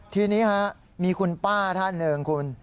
ที่นี้มีคุณป้าท่าน